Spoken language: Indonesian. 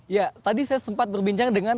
ya tadi saya sempat berbincang dengan